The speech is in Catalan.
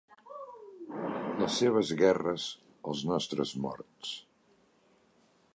Les seves guerres, els nostres morts.